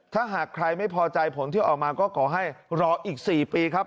ถ้าหากใครไม่พอใจผลที่ออกมาก็ขอให้รออีก๔ปีครับ